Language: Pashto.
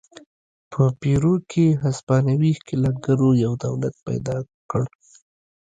په پیرو کې هسپانوي ښکېلاکګرو یو دولت پیدا کړ.